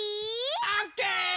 オッケー！